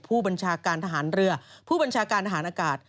ผู้บัญชาการทหารเรือผู้บัญชาการทหารอากาศ